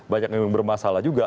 banyak yang bermasalah juga